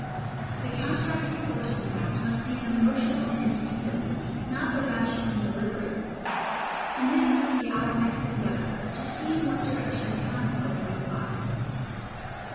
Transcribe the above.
The counteracting force in fact must be an emotional and instinctive one, not a rational and deliberate one; and this must be our next endeavour, to see in what direction the counterpoise must lie.